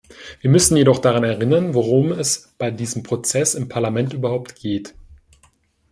Wir müssen jedoch daran erinnern, worum es bei diesem Prozess im Parlament überhaupt geht.